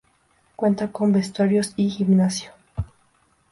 Cuenta con vestuarios y gimnasio.